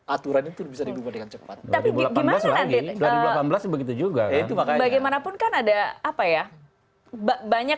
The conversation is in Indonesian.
aturan itu bisa dibuat dengan cepat dua ribu delapan belas begitu juga itu bagaimanapun kan ada apa ya banyak